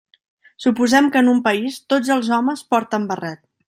Suposem que en un país tots els homes porten barret.